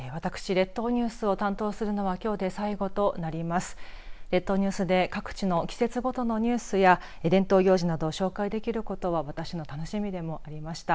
列島ニュースで各地の季節ごとのニュースや伝統行事などを紹介できることは私の楽しみでもありました。